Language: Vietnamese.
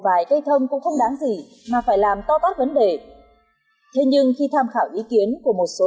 vài cây thông cũng không đáng gì mà phải làm to tóc vấn đề thế nhưng khi tham khảo ý kiến của một số